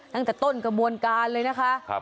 ตั้งแต่ต้นกระบวนการเลยนะคะ